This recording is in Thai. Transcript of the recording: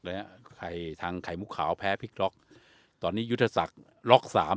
ไข่ทางไข่มุกขาวแพ้พลิกล็อกตอนนี้ยุทธศักดิ์ล็อกสาม